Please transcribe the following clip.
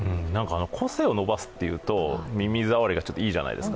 個性を伸ばすというと、耳ざわりがちょっといいじゃないですか。